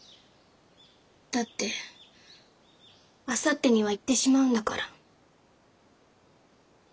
だってあさってには行ってしまうんだから。